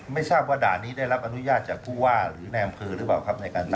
ไม่ทราบว่าด่านนี้ได้รับอนุญาตจากผู้ว่าหรือในอำเภอหรือเปล่าครับ